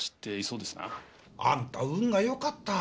あんた運がよかった。